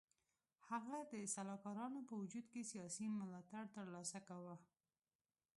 هغه د سلاکارانو په وجود کې سیاسي ملاتړ تر لاسه کاوه.